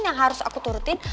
yang harus aku turutin